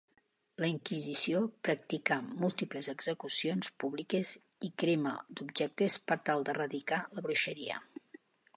La inquisició practicà múltiples execucions públiques i crema d'objectes per tal d'erradicar la bruixeria.